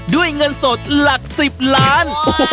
ด้วยเงินสดหลัก๑๐ล้าน